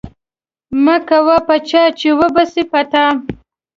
مه کوه په چا، چي و به سي په تا.